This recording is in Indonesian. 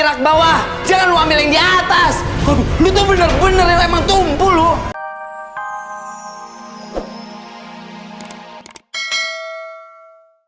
rakat bawah jangan lu ambil yang di atas lu tuh bener bener yang emang tumpu lu